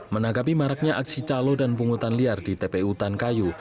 menanggapi maraknya aksi calo dan pungutan liar di tpu tan kayu